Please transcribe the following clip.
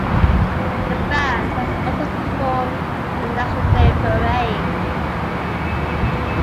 The Band has also performed at the National Day Parade.